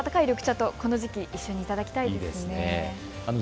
温かい緑茶とこの時期、一緒にいただきたいですね。